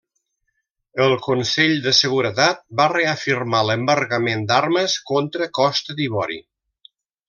El Consell de Seguretat va reafirmar l'embargament d'armes contra Costa d'Ivori.